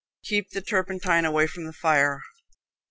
Keep the turpentine away from the fire.